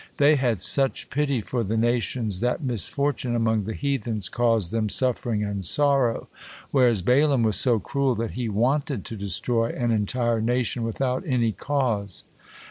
They had such pity for the nations that misfortune among the heathens caused them suffering and sorrow, whereas Balaam was so cruel that he wanted to destroy an entire nation without any cause.